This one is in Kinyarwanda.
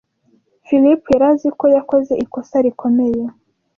Philip yari azi ko yakoze ikosa rikomeye.